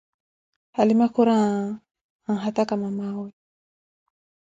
Halima khuri aaa, anhataka mamawe